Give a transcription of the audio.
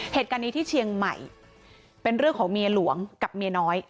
เหตุการณ์นี้ที่เชียงใหม่เป็นเรื่องของเมียหลวงกับเมียน้อย